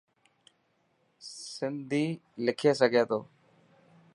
سنڌي لکي سگھي ٿو.